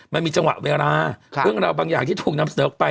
มันมีชะวัดเวลาค่ะเพิ่งเราบางอย่างที่ถูกนำเสนอออกไป